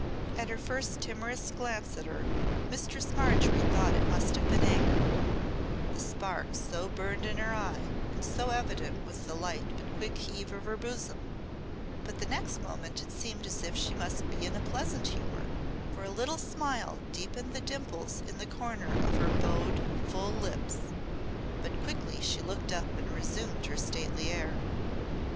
At her first timorous glance at her, Mistress Margery thought she must have been angered, the spark so burned in her eyes, and so evident was the light but quick heave of her bosom; but the next moment it seemed as if she must be in a pleasant humour, for a little smile deepened the dimples in the corner of her bowed, full lips. But quickly she looked up and resumed her stately air.